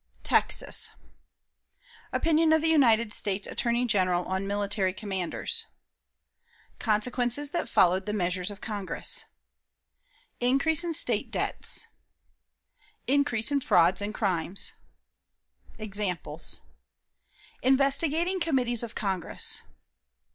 Texas. Opinion of the United States Attorney General on Military Commanders. Consequences that followed the Measures of Congress. Increase in State Debts. Increase in Frauds and Crimes. Examples. Investigating Committees of Congress.